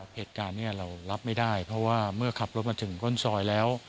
เหตุการณ์นี้เรารับไม่ได้เพราะว่าเมื่อขับรถมาถึงก้นซอยแล้ว